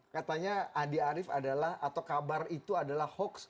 katanya andi arief adalah atau kabar itu adalah hoax